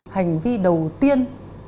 hành vi đầu tiên